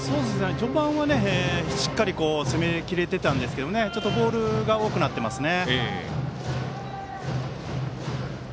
序盤はしっかり攻め切れてたんですけどボールが多くなってますね。